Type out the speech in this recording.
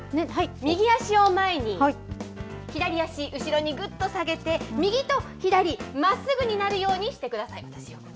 右足を前に、左足後ろにぐっと下げて、右と左、まっすぐになるようにしてください。